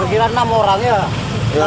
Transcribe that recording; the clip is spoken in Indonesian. kira kira enam orang ya